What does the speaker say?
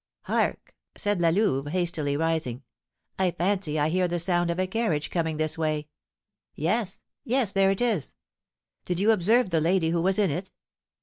"Hark!" said La Louve, hastily rising, "I fancy I hear the sound of a carriage coming this way; yes yes, there it is! Did you observe the lady who was in it?"